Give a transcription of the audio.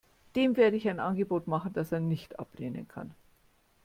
Dem werde ich ein Angebot machen, das er nicht ablehnen kann.